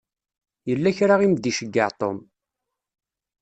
Yella kra i m-d-iceyyeɛ Tom.